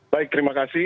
baik terima kasih